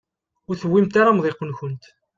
Ur tewwimt ara amḍiq-nkent.